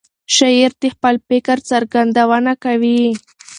شاعر د خپل فکر څرګندونه کوي.